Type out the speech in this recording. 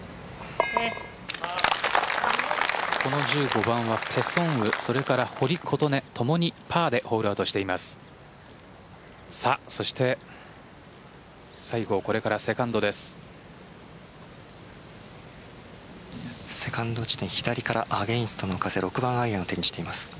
この１５番はペ・ソンウそれから堀琴音共にパーでホールアウトしています。